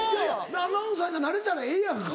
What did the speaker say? アナウンサーになれたらええやんか。